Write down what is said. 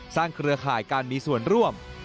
เครือข่ายการมีส่วนร่วม